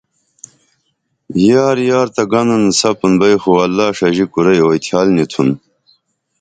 یار یار تہ گنُن سپُن بئی خو اللہ ݜژی کُرئی اوئی تھیال نی تُھن